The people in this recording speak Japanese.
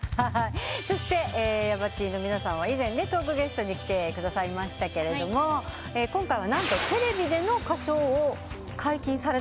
そしてヤバＴの皆さんは以前トークゲストに来てくださいましたが今回は何とテレビでの歌唱を解禁されたと。